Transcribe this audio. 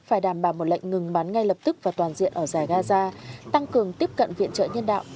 phải đảm bảo một lệnh ngừng bắn ngay lập tức và toàn diện ở giải gaza tăng cường tiếp cận viện trợ nhân đạo